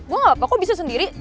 gue gapapa kok bisa sendiri